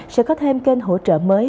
sẽ có thêm kênh hỗ trợ mới